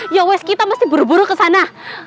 yowes kita mesti buru buru kesana